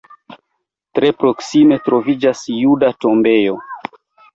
Tre proksime troviĝas juda tombejo.